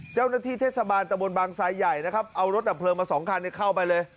เจ้านักที่เทศบาลตะบนบางซัยใหญ่เอารถดับเพลิงมา๒คันเข้าไปเลย